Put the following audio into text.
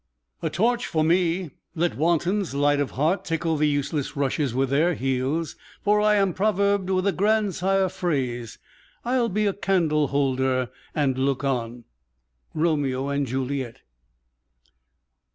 "A torch for me, let wantons, light of heart, Tickle the useless rushes with their heels; For I am proverb'd with a grandsire phrase. I'll be a candle holder, and look on." _Romeo and Juliet.